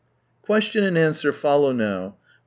Question and answer follow now — a.